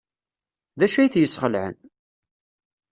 D acu ay t-yesxelɛen?